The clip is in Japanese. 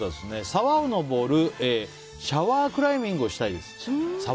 沢を上るシャワークライミングをしたいです。